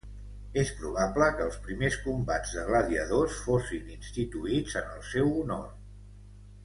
És probable que els primers combats de gladiadors fossin instituïts en el seu honor.